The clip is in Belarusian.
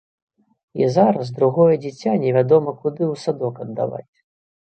І зараз другое дзіця невядома куды ў садок аддаваць.